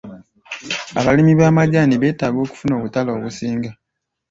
Abalimi b'amajaani beetaaga okufuna obutale obusinga.